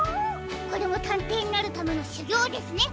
これもたんていになるためのしゅぎょうですね！